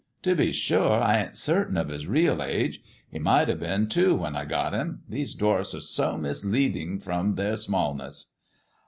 To be sure, I ain't certain of his real age. He might have been two when I got him — these dwarfs are so misleading from their smallness."